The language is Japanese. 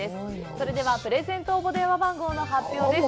それではプレゼント応募電話番号の発表です。